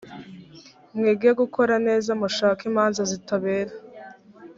mwige gukora neza mushake imanza zitabera